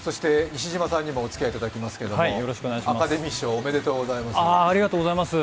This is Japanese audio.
西島さんにもおつきあいいただきますがアカデミー賞おめでとうございます。